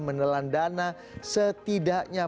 menelan dana setidaknya